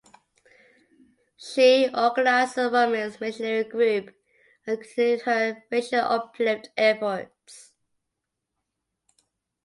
She organized a women's missionary group, and continued her "racial uplift" efforts.